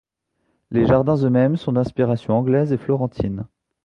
Les Jardins eux-mêmes sont d'inspiration anglaise et florentine.